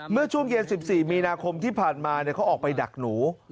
เมื่อช่วงเย็น๑๔มีนาคมที่ผ่านมาเขาออกไปดักหนู